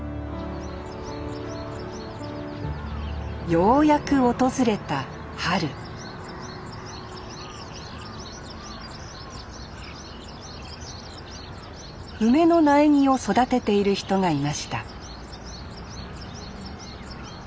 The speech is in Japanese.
ようやく訪れた春梅の苗木を育てている人がいました